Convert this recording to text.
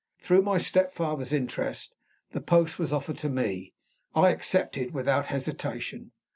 Through my stepfather's interest, the post was offered to me. I accepted it without hesitation.